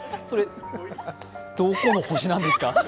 それ、どこの星なんですか。